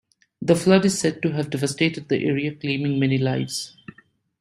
The flood is said to have devastated the area, claiming many lives.